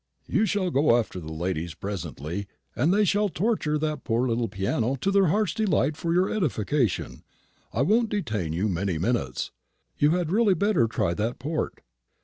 "You shall go after the ladies presently, and they shall torture that poor little piano to their hearts' delight for your edification. I won't detain you many minutes. You had really better try that port."